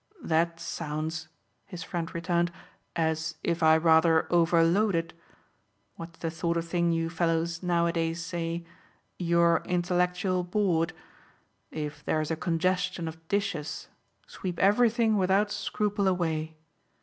"That sounds," his friend returned, "as if I rather overloaded what's the sort of thing you fellows nowadays say? your intellectual board. If there's a congestion of dishes sweep everything without scruple away.